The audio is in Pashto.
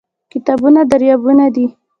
کتابونه دريابونه دي